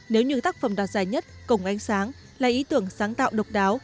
nếu như tác phẩm đoạt giải nhất cổng ánh sáng là ý tưởng sáng tạo độc đáo